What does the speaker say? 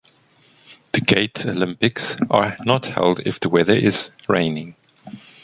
The Gatalympics are not held if the weather is raining.